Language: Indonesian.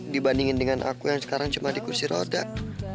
dibandingin dengan aku yang sekarang cuma di kursi roda